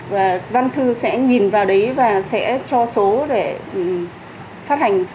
và văn thư sẽ nhìn vào đấy và sẽ cho số để phát hành